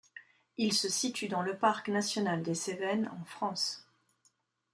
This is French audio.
Il se situe dans le Parc national des Cévennes, en France.